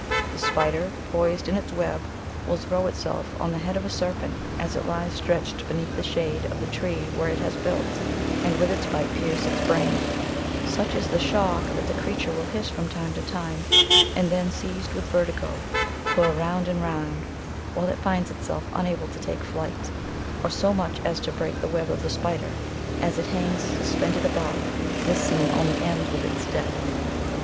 The spider, poised in its web, will throw itself on the head of a serpent as it lies sti etched beneath the shade of the tree where it has built, and with its bite pierce its brain ; such is the shock, that the creature will hiss from time to time, and then, seized with vertigo, coil round and round, while it finds itself unable to take to flight, or so much as to break the web of the spider, as it hangs suspended above ; this scene only ends with its death.